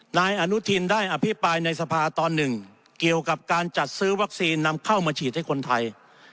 นายอนุทินได้อภิปรายในสภาตอนหนึ่งเกี่ยวกับการจัดซื้อวัคซีนนำเข้ามาฉีดให้คนไทย